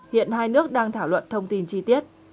hiện hai nước đang thảo luận thông tin chi tiết